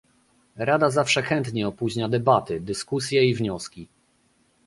Rada zawsze chętnie opóźnia debaty, dyskusje i wnioski